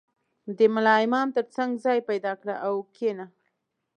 • د ملا امام تر څنګ ځای پیدا کړه او کښېنه.